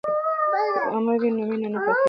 که عمه وي نو مینه نه پاتیږي.